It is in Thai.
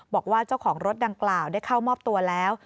บอกว่าเจ้าของรถดังกล่าวได้เข้ามอบตัวแล้ว